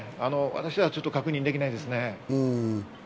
私はちょっと確認できないですね。